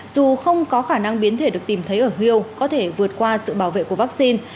dù không có khả năng biến thể được tìm thấy ở hiêu có thể vượt qua sự bảo vệ của vaccine